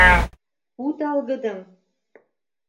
Пу талгыдым!..